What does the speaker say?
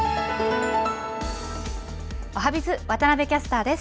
おはＢｉｚ、渡部キャスターです。